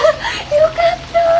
よかった！